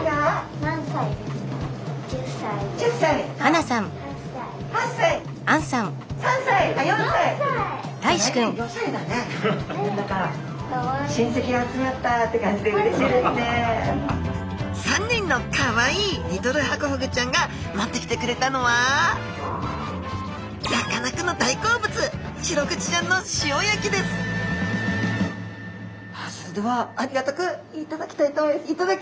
何だか３人のかわいいリトルハコフグちゃんが持ってきてくれたのはさかなクンの大好物それではありがたく頂きたいと思います。